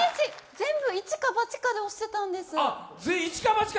全部一か八かで押してたんです。